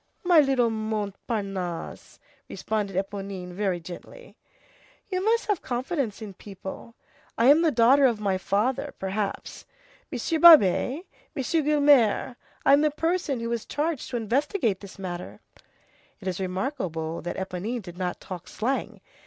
"My little Montparnasse," responded Éponine very gently, "you must have confidence in people. I am the daughter of my father, perhaps. Monsieur Babet, Monsieur Guelemer, I'm the person who was charged to investigate this matter." It is remarkable that Éponine did not talk slang.